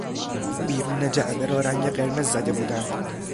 بیرون جعبه را رنگ قرمز زده بودند.